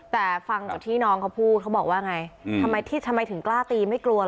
แต่ฟังจากที่น้องเขาพูดเขาบอกว่าไงทำไมที่ทำไมถึงกล้าตีไม่กลัวเห